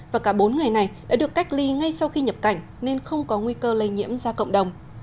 và cả bốn người này đã được cách ly ngay sau khi nhập cảnh nên không có nguy cơ lây nhiễm ra cộng đồng